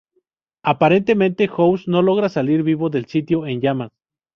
Aparentemente, House no logra salir vivo del sitio en llamas.